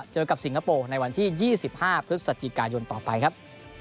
เจอกับสิงคโปร์ในวันที่๒๕พฤศจิกายนต่อไปครับ